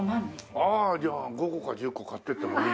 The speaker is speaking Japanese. ああじゃあ５個か１０個買っていってもいい。